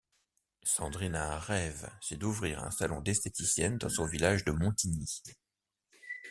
Sandrine a un rêve, c'est d'ouvrir un salon d'esthéticienne dans son village de Montigny.